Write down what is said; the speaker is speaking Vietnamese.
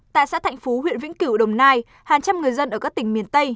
tại xã thạnh phú huyện vĩnh cửu đồng nai hàng trăm người dân ở các tỉnh miền tây